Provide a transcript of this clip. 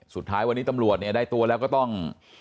สุดท้ายวันนี้ตำรวจเนี่ยได้ตัวแล้วก็ต้อง